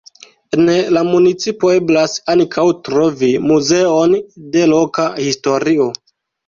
En la municipo eblas ankaŭ trovi muzeon de loka historio.